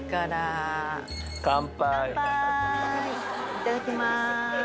いただきまーす。